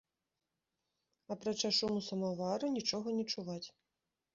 Апрача шуму самавара, нічога не чуваць.